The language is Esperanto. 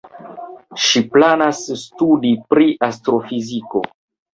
Ŝi planas studi pri astrofiziko.